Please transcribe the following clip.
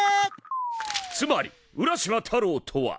つまり浦島太郎とは！